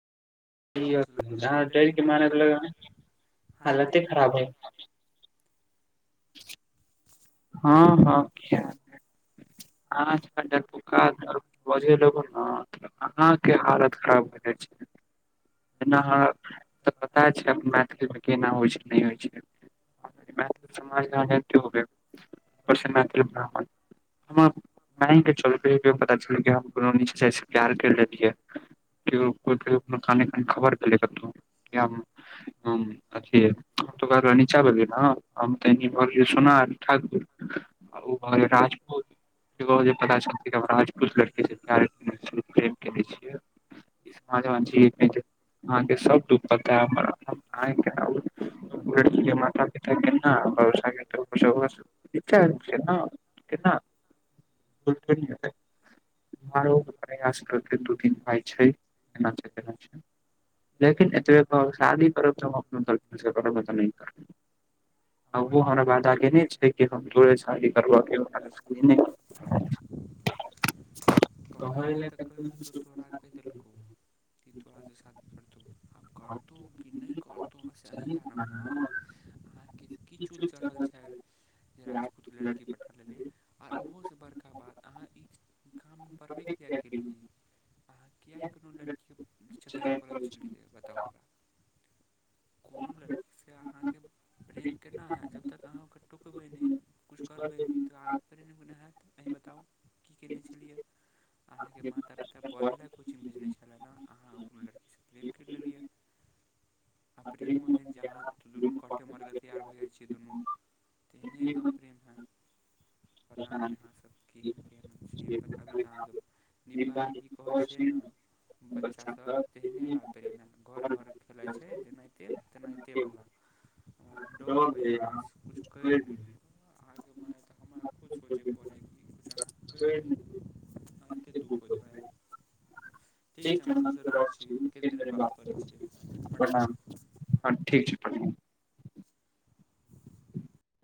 अहाँ जहाँ डर के मारे मार लग हालते खराब है। हँ-हँ किया नहि अहां जाका डरपोख बज लेबो ने अहाँके हालत खराब भ जाइ छै, एना तऽ पता छै मैथिलीमे केना होइत छै नहि होइत छै, मैथिल समाजतए पर से मैथिल ब्राह्मण हम नहि कि चलू फिर पता चल कि हम कोनो नचेस प्यार कर लेलियै कान कान खबर पे कतथ हम तो घर नीचा भेलै ने हम तऽ घर सुना ठाकुर आ राजपूत पता चलत राजपूत लड़े केे छियै सम ज अहाँके सब लड़कीके माता-पिता के ने आओर से तऽस [unintelligible] केना केना [unintelligible] आरो अपन एकरा सबके प्रयास करतै दू तीन भाय छै एना छै केना छै [unintelligible] लेकिन एतबे कहब शादी करब त हम अपने करबऽ [unintelligible] नहि करब आ ओहो हमरा वादा देने छै ोी कर [unintelligible] कहले तऽ कहियो तू तोरा कहि देेलकौ तोरासँ शादी करतौ आब करतौ कि नहि बच्चा करतौ वस अहीं जानब ने [unintelligible] कि चूल चढ़ल छनि। [unintelligible] जे राजपूत लड़की पटा लेलीय आर ओहोसँ बड़का बाद अहाँ ई काम। [unintelligible] कड़बे किया केलियै। [unintelligible] अहाँ किए कोनो लड़कीके चक्करमे पड़ल का छेलियै बताउ हमरा। [unintelligible] कोनो लड़कीसँ अहाँके प्रेम केना हैत जब तक अहाँ ओकरा टोकबै नहि। [unintelligible] किछु करबै नहि तऽ अहाँ प्रेम नहि हैत अहीँ बताउ की केने छलियै। [unintelligible] अहाँके माता पिता पढ़य लेल कोचिंग भेजने छले न अहाँ ओ कोनो लड़कीसँ प्रेम करि लेलियै। [unintelligible] आ प्रेमो एहन जहाँ तु दुनू काँटे मरय लेल तैयार भऽ जाइ छीयै दुनू। [unintelligible] तेहने एकदम प्रेम हैत पता ने अहाँ सब केहन केहन छीयै बताबै। [unintelligible] अहाँके निब्बा निब्बी कहै छै न। बच्चासभ तेहनेवला प्रेम हे घर घर खेलाइ छै जेनाहिते तेनाहितेवला। [unintelligible] हमरा तऽ डर होइया और आहाँसब कुछ कैर ठीक ने ली। [unintelligible] अहाँके मारे तऽ हमरा कुछ सोचय परै हे कि कुछ अहाँ करि ने ली। [unintelligible] एते दुःख होयत रहैये। [unintelligible] ठीक छै हम अहाँसँ रखै छी कनि देर मे बात करै छी प्रणाम। [unintelligible] हँ ठीक छै। [unintelligible]